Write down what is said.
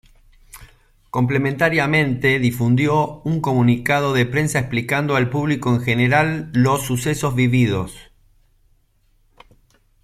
Complementariamente difundió un Comunicado de Prensa explicando al público en general los sucesos vividos.